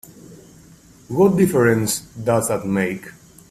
What difference does that make?